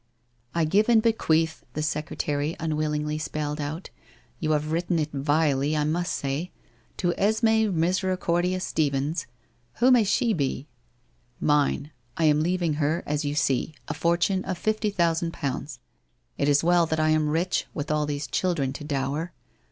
i I give and bequeath '— the secretary unwillingly spelled out —' You have written it vilely, I must say. " To F me Misericordia Stephens! "— Who may she be?' ' Mine. I am leaving her, as you see, a fortune of fifty thousand pounds. It is well that I am rich, witli all these children to dower.